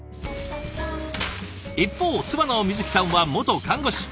一方妻の美都紀さんは元看護師。